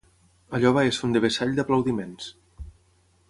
Allò va ésser un devessall d'aplaudiments